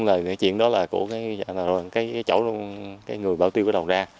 thì cái chuyện đó là của cái chỗ cái người bao tiêu cái đầu ra